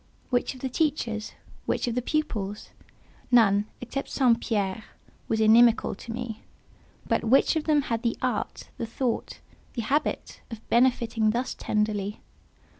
Which of the teachers? Which of the pupils? None, except St. Pierre, was inimical to me; but which of them had the art, the thought, the habit, of benefiting thus tenderly?